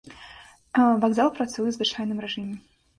Вакзал працуе ў звычайным рэжыме.